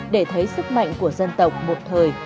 để thấy sức mạnh của dân tộc một thời